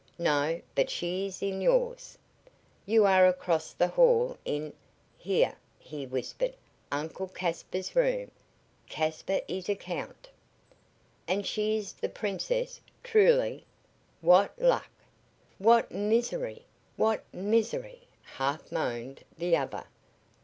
"No, but she is in yours. You are across the hall in" here he whispered "Uncle Caspar's room. Caspar is a Count." "And she is the Princess truly?" "What luck!" "What misery what misery!" half moaned the other.